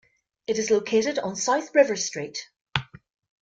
It is located on South River Street.